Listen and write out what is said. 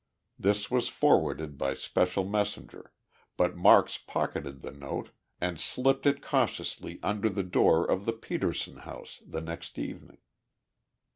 This was forwarded by special messenger, but Marks pocketed the note and slipped it cautiously under the door of the Petersen house the next evening.